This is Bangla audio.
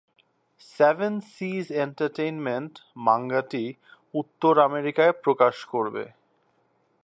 সেভেন সিজ এন্টারটেইনমেন্ট মাঙ্গাটি উত্তর আমেরিকায় প্রকাশ করবে।